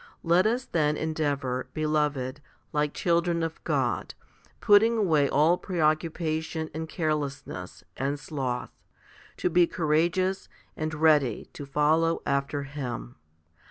Let us then endeavour, beloved, like children of God, putting away all preoccupation, and carelessness, and sloth, to be courageous and ready to follow after Him.